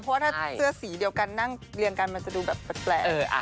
เพราะว่าถ้าเสื้อสีเดียวกันนั่งเรียงกันมันจะดูแบบแปลก